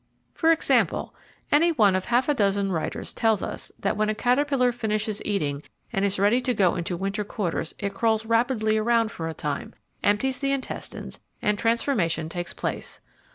For example, any one of half a dozen writers tells us that when a caterpillar finishes eating and is ready to go into winter quarters it crawls rapidly around for a time, empties the intestines, and transformation takes place.